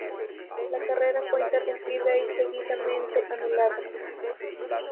La carrera fue interrumpida y seguidamente anulada.